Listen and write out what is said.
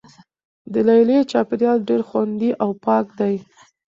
د لیلیې چاپیریال ډیر خوندي او پاک دی.